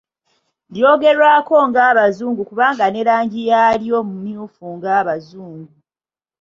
Lyogerwako ng'Abazungu kubanga ne langi yaalyo “mmyufu” nga Abazungu